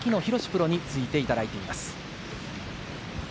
プロについていただいています。